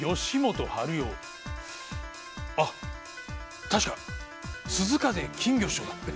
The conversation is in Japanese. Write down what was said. あっ確かすず風金魚師匠だ。